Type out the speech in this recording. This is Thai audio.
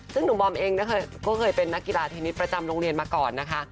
ซึ่งหนุ่มบอมเองก็เคยเป็นนักกีฬาเทนนิสประจำโรงเรียนมาก่อนนะคะ